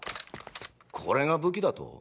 これが武器だと？